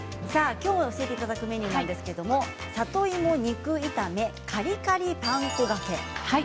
きょう教えていただくメニューですが里芋肉炒めカリカリパン粉がけ。